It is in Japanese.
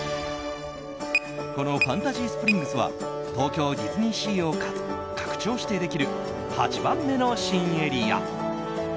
このファンタジースプリングスは東京ディズニーシーを拡張してできる８番目の新エリア。